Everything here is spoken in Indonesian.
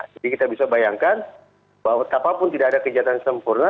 jadi kita bisa bayangkan bahwa apapun tidak ada kejahatan sempurna